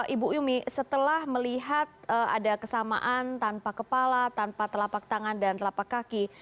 ibu umi setelah melihat ada kesamaan tanpa kepala tanpa telapak tangan dan telapak kaki